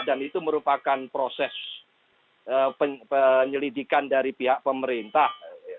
dan itu merupakan proses penyelidikan dari pihak pemerintah